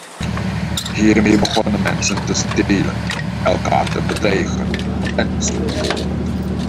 Hiermee begonnen mensen te stelen, elkaar te bedreigen, enzovoort.